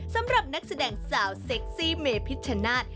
สำหรับนักแสดงสาวเซ็กซี่เมพิชชนาธิ์